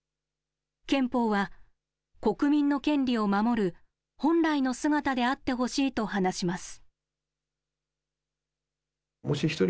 憲法は国民の権利を守る本来の姿であってほしいと話します。